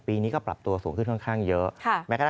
ปีนี้ก็ปรับตัวสูงขึ้นค่อนข้างเยอะ